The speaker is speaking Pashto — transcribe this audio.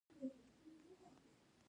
زه په کابل پوهنتون کي زده کړه کوم.